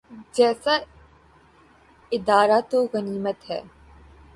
جیسا ادارہ تو غنیمت ہے۔